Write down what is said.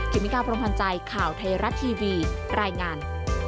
เมกาพรมพันธ์ใจข่าวไทยรัฐทีวีรายงาน